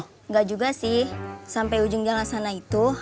enggak juga sih sampai ujung jalan sana itu